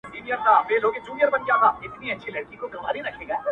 توپاني سوه ډوبېدو ته سوه تیاره،